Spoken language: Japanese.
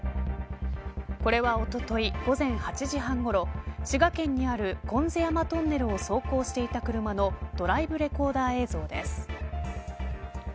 これはおととい午前８時半ごろ滋賀県にある金勝山トンネルを走行していた車のドライブレコーダー映像です。